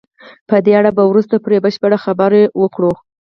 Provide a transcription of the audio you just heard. په دې اړه به وروسته پرې بشپړې خبرې وکړو.